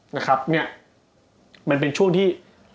นะครับเนี่ยมันเป็นช่วงที่